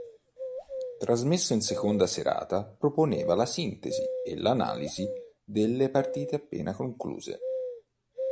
Trasmesso in seconda serata, proponeva la sintesi e l'analisi delle partite appena concluse.